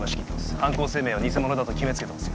犯行声明は偽物だと決めつけてますよ